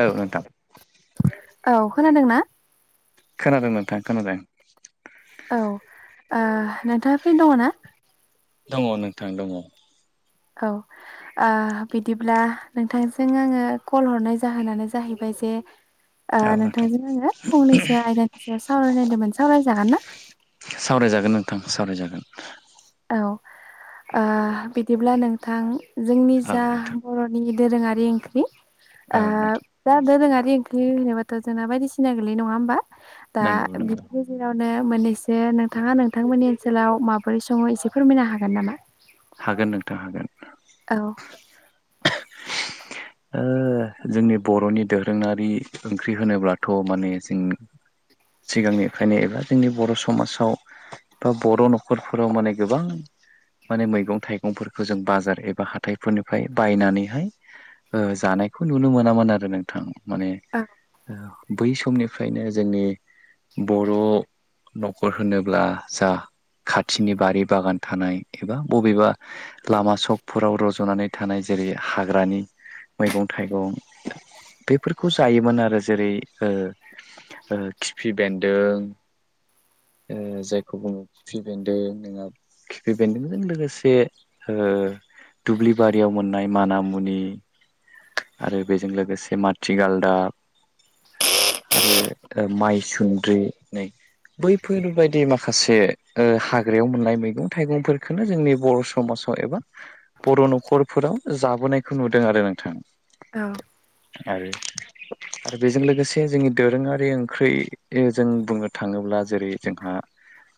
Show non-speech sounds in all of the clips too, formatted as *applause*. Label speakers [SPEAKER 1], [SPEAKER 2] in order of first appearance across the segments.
[SPEAKER 1] औ नोंथां
[SPEAKER 2] खोनादों ना
[SPEAKER 1] खोनादों नोंथां खोनादों
[SPEAKER 2] औ ओ नोंथाङा फ्रि दङ ना
[SPEAKER 1] दङ नोंथां दङ
[SPEAKER 2] औ ओ बिदिब्ला नोंथांजों आङो कल हरनाय जाहोनानो जाहैबाय एसे ओ
[SPEAKER 1] औ नोंथां
[SPEAKER 2] नोंथांजों आङो फंनैसो आयदानि सायाव सावरानायदोंमोन सावरायजागोन ना
[SPEAKER 1] सावरायजागोन नोंथां सावरायजागोन
[SPEAKER 2] औ ओ बिदिब्ला नोंथां जोंनि
[SPEAKER 1] औ
[SPEAKER 2] जा
[SPEAKER 1] नोंथां
[SPEAKER 2] बर'नि दोरोङारि ओंख्रि
[SPEAKER 1] औ
[SPEAKER 2] ओ
[SPEAKER 1] नोंथां
[SPEAKER 2] दा दोरोङा रि ओंख्रि होनोबाथ' जोंना बायदिसिना गोलै नङा होमबा दा
[SPEAKER 1] नंगौ
[SPEAKER 2] बिनि
[SPEAKER 1] नंगौ
[SPEAKER 2] गेजेराव नो मोन्नैसो नोंथाङा नोंथांमोननि ओनसोलाव माबोरै सङो एसे फोरमायनो हागोन नामा
[SPEAKER 1] हागोन नोंथां हागोन
[SPEAKER 2] औ
[SPEAKER 1] ओ जोंनि बर'नि दोरोङारि ओंख्रि होनोब्लाथ' माने जों सिगांनिफ्रायनो एबा जोंनि बर' समाजाव बा बर' न'खरफोराव माने गोबां
[SPEAKER 2] *unintelligible*
[SPEAKER 1] माने मैगं थाइगंफोरखौ जों बाजार एबा हाथाइफोरनिफ्राय बायनानैहाय जानायखौ नुनो मोनामोन आरो नोंथां माने
[SPEAKER 2] औ
[SPEAKER 1] ओ बै समनिफ्रायनो जोंनि बर' न'खर होनोब्ला जा खाथिनि बारि बागान थानाय एबा बबेबा लामा सकफोराव रज'नानै थानाय जेरै हाग्रानि मैगं थाइगं बेफोरखौ जायोमोन आरो जेरै ओ ओ खिफि बेन्दों ओ जायखौ बुङो खिफि बेन्दों नोङा बे बेन्दोंजों लोगोसे ओ दुब्लि बारियाव मोननाय मानामुनि आरो बेजों लोगोसे माथि गालदाब आरो माइ सुन्द्रि नै बैफोरबायायदि माखासे ओ हाग्रायाव मोननाय मैगं थाइगंफोरखोनो जोंनि बर' समाजाव एबा बर' न'खरफोराव जाबोनायखौ नुदों आरो नों नोंथां।
[SPEAKER 2] औ
[SPEAKER 1] आरो आरो बेजों लोगोसे जोंनि दोरोङारि ओंख्रै ओ जों बुंनो थाङोब्ला जेरै जोंहा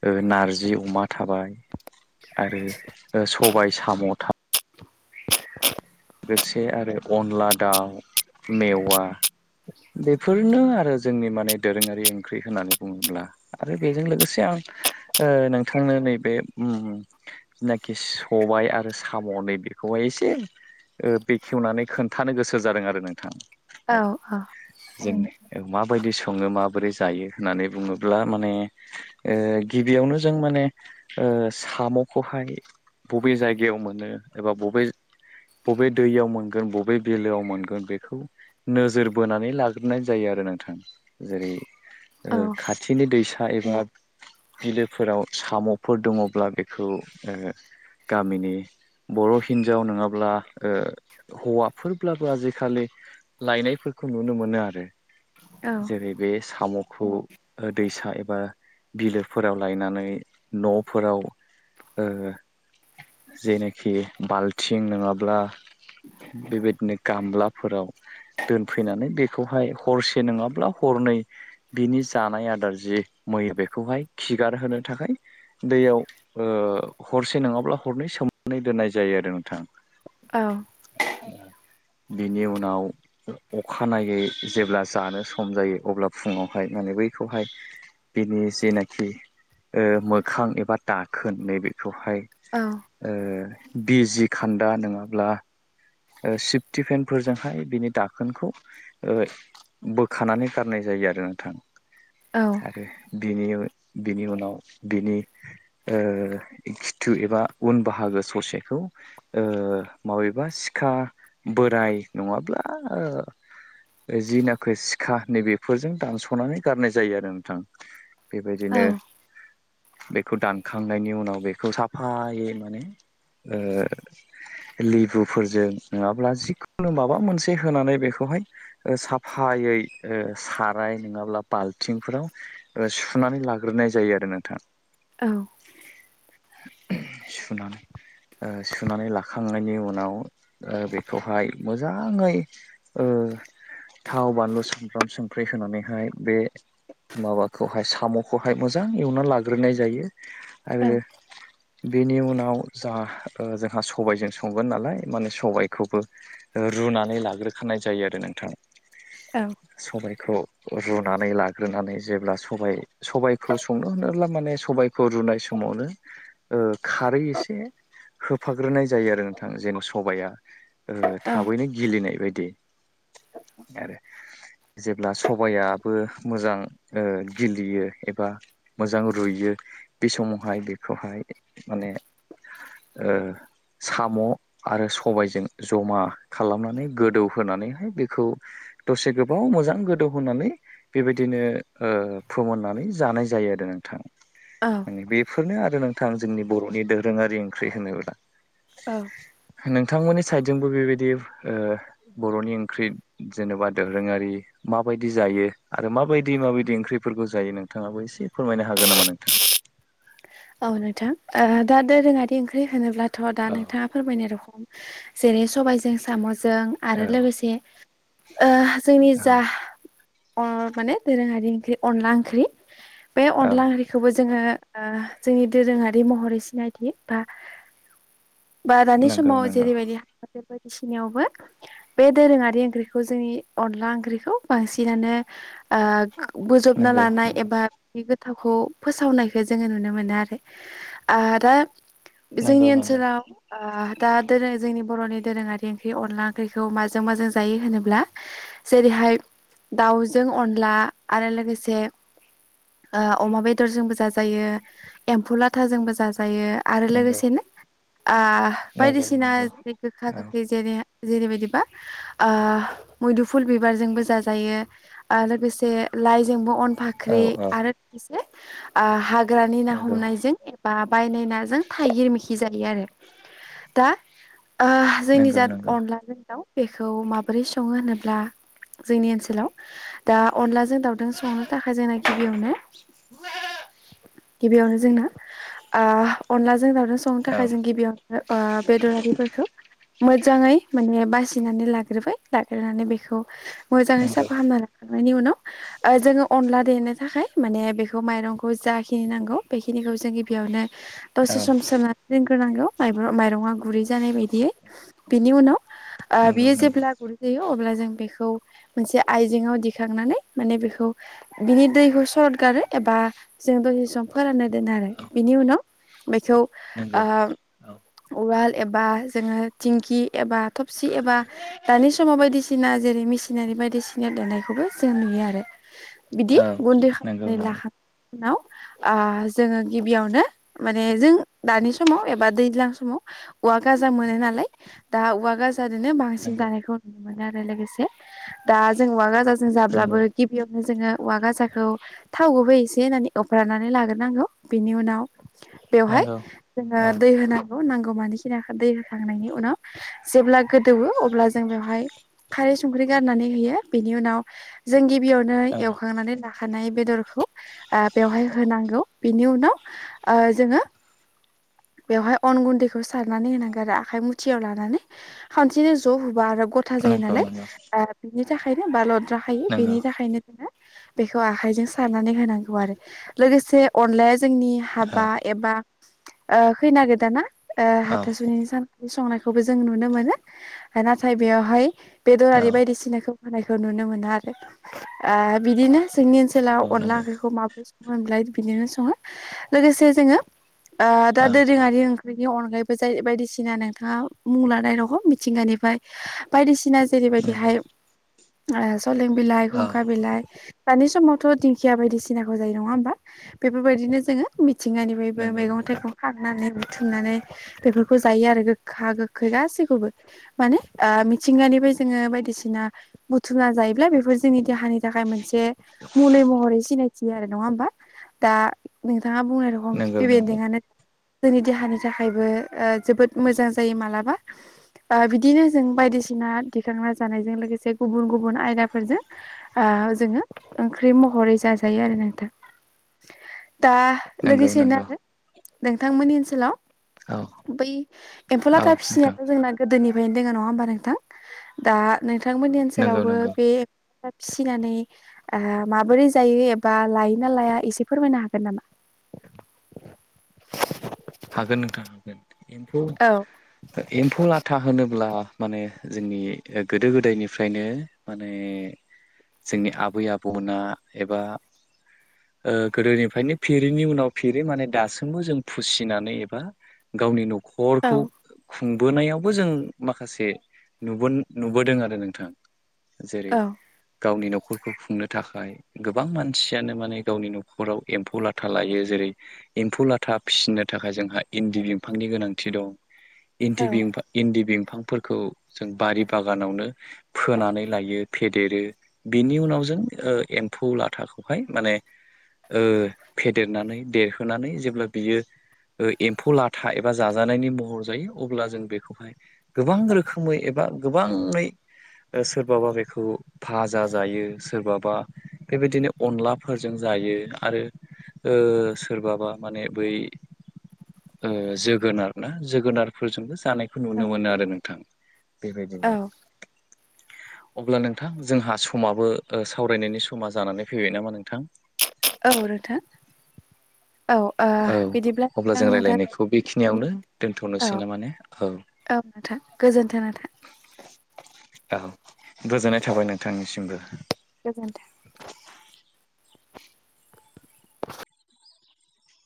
[SPEAKER 1] ओ नारजि अमा थाबाय आरो ओ सबाय साम' थाब लोगोसे आरो अनला दाउ मेवा बेफोरनो आरो जोंनि माने दोरोङारि ओंख्रि होननानै बुङोब्ला आरो बेजों लोगोसे आं ओ नोंथांनो नैबे उम जेनाखि सबाय आरो साम' नै बेखौहाय एसे ओ बेखेवनानै खोन्थानो गोसो जादों आरो नोंथां।
[SPEAKER 2] औ औ।
[SPEAKER 1] जोंनो माबायदि सङो माबोरै जायो होननानै बुङोब्ला माने ओ गिबियावनो जों माने ओ साम'खौहाय बबे जायगायाव मोनो एबा बबे बबे दैयाव मोनगोन बबे बिलोआव मोनगोन बेखौ नोजोर बोनानै लाग्रोनाय जायो आरो नोंथा थां। जेरै ओ खाथिनि दैसा एबा बिलोफोराव साम'फोर दङब्ला बेखौ ओ गामिनि बर' हिनजाव नोङाब्ला ओ हौवाफोरब्लाबो आजिखालि लायनायफोरखौ नुनो मोनो आरो। जेरै बे साम' खौ ओ दैसा एबा बिलोफोराव लायनानै न'फोराव ओ जेनाखि बाल्थिं नोङाब्ला बेबायदनो गामब्लाफोराव दोनफैनानै बेखौहाय हरसे नोङाब्ला हरनै बिनि जानाय आदार जि मै बेखौहाय खिगार होनो थाखाय बैयाव ओ हरसे नोङाब्ला हरनै सोमनानै दोननाय जायो आरो नोंथां।
[SPEAKER 2] औ *unintelligible*
[SPEAKER 1] बिनि उनाव अखानायै जेब्ला जानो सम जायो अब्ला फुङावहाय माने बैखौहाय बिनि जेनाखि ओ मोखां एबा दाखोन नैबेखौ हाय ओ बिजि खान्दा नोङाब्ला ओ सिफटेफेन फोरजोंहाय बिनि दाखोनखौ ओ बोखानानै गारनाय जा जायो आरो नोंथां आरो बेनि बिनि उनाव बिनि ओ खिथु एबा उन बाहागो ससेखौ ओ माबेबा सिखा बोराय नङाब्ला ओ जि नाखो सिखा नै बेफोरजों दानस'नानै गारनाय जायो आरो नोंथां। बेबायदिनो बेखौ दानखांनायनि उनाव बेखौ साफायै माने ओ लेबुफोरजों नोङाब्ला जिखुनु माबा मोनसे होनानै बेखौहाय ओ साफायै ओ साराय नोङाब्ला बाल्थिंफोराव ओ सुनानै लाग्रोनाय जायो आरो नोंथां।
[SPEAKER 2] औ
[SPEAKER 1] सु सुनानै लाखा खांनायनि उनाव बेखौहाय मोजाङै थाव बानलु सामब्राम संख्रि होनानैहाय बे माबाखौहाय साम'खौहाय मोजां एवनानै लाग्रोनाय जायो। आरो बेनि उनाव जा जोंहा सबायाइजों संगोन नालाय माने सबायाइखौबो रुनानै लाग्रोखानाय जायो आरो नोंथां सबायखौ रुनानै लाग्रोनानै जेब्ला स सबाइखौ संनो होनोब्ला माने सबाइखौ रुनाय समावनो खारै एसे होफाग्रो ग्रोनाय जायो आरो नोंथां जेन' सबाया थाबैनो गिलिनाय बायदि आरो जेब्ला सबायाइाबो मोजां गिलियो एबा मोजां रुयो। बे समावहाय बेखौहाय माने साम' आरो सबायजों जमा खालामनानै गोदौहोनानैहाय बेखौ दसे गोबाव मोजां गोदौ होनोनानै बेबायदिनो फोमोननानै जानाय जायो। नोंथां बेफोरनो आरो नोंथां जोंनि बर'नि दोरोङारि ओंख्रि होनोब्ला
[SPEAKER 2] औ
[SPEAKER 1] नोंथांमोननि साइडजोंबो बेबायदि बर'नि ओंख्रि जेनेबा दोरोङारि माबायदि जायो आरो माबायदि माबायदि ओंख्रिफोरखौ जायो। नोंथाङाबो एसे फोरमायनो हागोन नामा नोंथां?
[SPEAKER 2] *unintelligible* औ नोंथां दा दोरोङारि ओंख्रि होनोब्लाथ' दा नोंथाङा
[SPEAKER 1] औ
[SPEAKER 2] फोरमायनाय रखम जेरै सबाइजों साम' जों आरो
[SPEAKER 1] औ
[SPEAKER 2] लोगोसे जोंनि जा
[SPEAKER 1] औ
[SPEAKER 2] अ माने दोरोङारि ओख्रि अनला ओंख्रि बे
[SPEAKER 1] औ
[SPEAKER 2] अनला ओंख्रिखौबो जोङो जोंनि दोरोङारि महरै सिनायथि बा बा दानि
[SPEAKER 1] नंगौ
[SPEAKER 2] समाव
[SPEAKER 1] नंगौ
[SPEAKER 2] जेरैबायदि बायदिसिनायावबो बे दोरोङारि ओंख्रिखौ जोंनि अनला ओंख्रिखौ बांसिनानो बोजबना
[SPEAKER 1] नंगौ
[SPEAKER 2] लानाय एबा
[SPEAKER 1] नंगौ
[SPEAKER 2] बे गोथावखौ फोसावनायखौ जोङो नुनो मोनो। आरो दा जोंनि
[SPEAKER 1] नंगौ
[SPEAKER 2] ओनसोलाव दा दोरोङारि जोंनि बर'नि दोरोङारि ओंख्रि अनला ओंख्रिखौ माजों माजों जायो होनोब्ला जेरै बेहाय दाउजों अनला आरो लोगोसे अमा बेदरजोंबो जाजायो। एम्फौ लाथाजोंबो जाजायो आरो
[SPEAKER 1] नंगौ
[SPEAKER 2] लोगोसेनो
[SPEAKER 1] नंगौ नंगौ
[SPEAKER 2] बायदिसिना जि गोखा
[SPEAKER 1] औ
[SPEAKER 2] गोखै जेरै जेरैबायदिबा मैदुफुल बिबारजोंबो जाजायो आरो लोगोसे लाइजोंबो अन
[SPEAKER 1] औ
[SPEAKER 2] फाख्रि
[SPEAKER 1] औ
[SPEAKER 2] आरो लोगोसे हाग्रानि ना
[SPEAKER 1] नंगौ
[SPEAKER 2] हमनायजों एबा बायनायनाजों थाइगिरमिखि जायो आरो दा जोंनि जा
[SPEAKER 1] नंगौ नंगौ
[SPEAKER 2] अनलाजों दाउ बेखौ माबोरै सङो होनोब्ला जोंनि ओनसोलाव दा अनलाजों दाउदों संनो थाखाय जोंना गिबियावनो गिबियावनो जोंना अनलाजों जों दावजों संनो
[SPEAKER 1] औ
[SPEAKER 2] थाखाय जों गिबियावनो बेदरारिफोरखौ मोजाङै माने बासिनानै लाग्रोबाय लाग्रोनानै बेखौ मोजाङै
[SPEAKER 1] नंगौ
[SPEAKER 2] साफा खामनानैला नायनि उनाव जोङो अनला देनो थाखाय माने बेखौ माइरंखौ जाखिनि नांगौ बेखिनिखौ जों गिबियावनो
[SPEAKER 1] औ
[SPEAKER 2] दसे सम सोमनानै दोनग्रोनांगौ माइरङा गुरै जानाय बायदियै बिनि उनाव
[SPEAKER 1] नंगौ
[SPEAKER 2] बियो
[SPEAKER 1] नंगौ
[SPEAKER 2] जेब्ला गुर जायो। अब्ला जों बेखौ मोनसे आइजेंङाव दिखांनानै माने बेखौ बिनि दैखौ सरथ दारो एबा जों दसे सम फोरानना दोनो आरो
[SPEAKER 1] औ
[SPEAKER 2] बिनि उनाव बेखौ
[SPEAKER 1] नंगौ
[SPEAKER 2] ओ
[SPEAKER 1] औ
[SPEAKER 2] उवाल एबा जोङो थिंखि एबा थबसि एबा दानि समाव बायदिसिना जेरै मेसिनारि बायदिसिना देनायखौबो जों नुयो आरो बिदि
[SPEAKER 1] औ
[SPEAKER 2] गुन्दै
[SPEAKER 1] नंगौ
[SPEAKER 2] खालामनानै
[SPEAKER 1] नंगौ
[SPEAKER 2] लाखांनायनि उनाव आ जोङो गिबियावनो माने जों दानि समाव एबा दैज्लां समाव औवा गाज जां मोनो नालाय दा उवा गाज जादोनो बांसिन
[SPEAKER 1] नंगौ
[SPEAKER 2] जानायखौ नुनो मोनो आरो लोगोसे दा जों उवा गाजाजों
[SPEAKER 1] नंगौ
[SPEAKER 2] जाब्लाबो गिबियाव जोङो उवा गाजाखौ थाव गुबै इसे होनानै एवफ्रानानै लाग्रोनांगौ बिनि उनाव बेवहाय
[SPEAKER 1] नंगौ
[SPEAKER 2] जोङो
[SPEAKER 1] औ
[SPEAKER 2] दै होनानै नांगौ मनिखिनाखो दै होखांनायनि उनाव जेब्ला गोदौवो अब्ला जों बेवहाय खारै संख्रि गारनानै होयो बिनि उनाव जों गिब बियावनो
[SPEAKER 1] औ
[SPEAKER 2] एवखांनानै लाखानाय बेदरखौ ओ बेवहाय होनांगौ बिनि उनाव ओ जोङो बेवहाय अन गुनदैखौ सारनानै होनांगो आरो आखाय मुथियाव लानानै खानसेनो ज' हुबा आरो ग'था जायो
[SPEAKER 1] नंगौ
[SPEAKER 2] नालाय
[SPEAKER 1] नंगौ
[SPEAKER 2] ओ बिनि थाखायनो बा लद्राखायो
[SPEAKER 1] नंगौ
[SPEAKER 2] बिनि थाखायनो जोङो बेखौ आखायजों सारनानै होनांगौ आरो लोगोसे अनलाया जोंनि
[SPEAKER 1] औ
[SPEAKER 2] हाबा एबा ओ खैना गोदाना ओ
[SPEAKER 1] औ
[SPEAKER 2] हाथासुनि सान संनायखौबो जों नुनो मोनो नाथाय बेयावहाय बेदर
[SPEAKER 1] औ
[SPEAKER 2] आरि बायदिसिनाखौ होनाय खौ नुनो मोनो आरो ओ बिदिनो जोंनि ओनसोलाव
[SPEAKER 1] नंगौ
[SPEAKER 2] अनला
[SPEAKER 1] नंगौ
[SPEAKER 2] ओंख्रिखौ माबोरै सङो होनब्ला बिदिनो सङो लोगोसे जोङो ओ दा
[SPEAKER 1] औ
[SPEAKER 2] दोरोङारि ओं ख्रिनि अनगायैबो जाय बायदिसिना नोंथाङा मुं लानाय दङ' मिथिंगानिफाय बायदिसि सिना
[SPEAKER 1] नंगौ
[SPEAKER 2] जेरैबायदिहाय सलें बिलाइ
[SPEAKER 1] औ
[SPEAKER 2] खुंखा बिलाइ दानि समावथ' दिंखिया बायदिसिनाखौ जायो नङा होमबा बेफोरबायदिनो जोङो मि थिंगानिफायबो
[SPEAKER 1] नंगौ नंगौ
[SPEAKER 2] मैगं-थाइगं खांनानै थुमनानै बेफोरखौ जायो आरो गोखखा गोखखै गासैखौबो माने ओ मिथिंगानिबो जोङो बायदिसिना बुथुमना जायोब्ला बेफोर जोंनि देहानि थाखाय मोनसे मुलै महरै सिनायथि आरो नङा होमबा दा नोंथाङा बुंनाय रखम
[SPEAKER 1] नंगौ
[SPEAKER 2] खिपि
[SPEAKER 1] नंगौ
[SPEAKER 2] बेन्दोंआनो जोंनि देहानि थाखायबो ओ जोबोद मोजां जायो मालाबा ओ बिदिनो जों बायदिसिना दिखांना जानायजों लोगोसे गुबुन गुबुन आयदाफोरजो ओ दा जोङो ओंख्रि महरै जाजायो आरो नों थां दा
[SPEAKER 1] नंगौ
[SPEAKER 2] लोगोसेनो
[SPEAKER 1] नंगौ
[SPEAKER 2] आरो नोंथांमोननि ओनसोलाव
[SPEAKER 1] औ
[SPEAKER 2] बै एमफौ
[SPEAKER 1] औ
[SPEAKER 2] लाथा
[SPEAKER 1] नोंथां
[SPEAKER 2] फिसिनायाथ' जोंना गोदोनि फ्रायनो दोङो नङा होमबा नोंथां दा नोंथांमोननि
[SPEAKER 1] नंगौ
[SPEAKER 2] ओनसोलावबो
[SPEAKER 1] नंगौ
[SPEAKER 2] बे फिसिनानै ओ माबोरै जायो एबा लाइ ना लाया इसे फोरमायनो हागोन नामा?
[SPEAKER 1] एमफौ
[SPEAKER 2] औ
[SPEAKER 1] एमफौ लाथा होनोब्ला माने जोंनि गोदो गोदायनिफ्रायनो माने जोंनि आबै आबौमोना एबा ओ गोदोनिफ्रायनो फिरिनि उनाव फिरि माने दासिमबो जों फुसि नानै एबा गावनि
[SPEAKER 2] औ
[SPEAKER 1] न'खरखौ खुंबोनायावबो जों माखासे नुबोन नुबोदों आरो नोंथां जेरै
[SPEAKER 2] औ
[SPEAKER 1] गावनि न'खरखौ खुंनो थाखाय गोबां मानसियानो माने गावनि न'खराव एमफौ लाथा लायो जेरै रै एमफौ लाथा फिसिनो थाखाय जोंहा इनदि बिफांनि गोनांथि दं इनदि
[SPEAKER 2] औ
[SPEAKER 1] बिमफा इनदि बि फांफोरखौ जों बारि बागानावनो फोनानै लायो फेदेरो बिनि उनाव जों ओ एमफौ लाथाखौहाय माने ओ फेदेरनानै देरहोनानै जेब्ला बियो ओ एमफौ लाथा एबा जाजानायनि महर जायो अब्ला जों बेखौहाय गोबां रोखोमै एबा गोबाङै सोरबाबा बेखौ भाजा जायो सोरबाबा बेबायदिनो अनलाफोरजों जा आरो ओ सोरबाबा माने बै ओ जोगोनार ना जोगोनारफोरजोंबो जानायखौ नुनो मोनो आरो नोंथां बेबायदिनो
[SPEAKER 2] ।
[SPEAKER 1] अब्ला नोंथां जोंहा समाबो सावरायनायनि समा जानानै फैबाय नामा नोंथां
[SPEAKER 2] औ नोंथां औ ओ
[SPEAKER 1] औ
[SPEAKER 2] बिदिब्ला
[SPEAKER 1] अब्ला
[SPEAKER 2] आं
[SPEAKER 1] जों
[SPEAKER 2] नोंथां
[SPEAKER 1] रायलायनायखौ बेखिनियावनो
[SPEAKER 2] औ
[SPEAKER 1] दोनथनोसै नामा ने औ
[SPEAKER 2] औ नोंथां गोजोनथों नोंथां
[SPEAKER 1] औ गोजोननाय थाबाय नोंथांनिसिमबो
[SPEAKER 2] गोजोन्थों।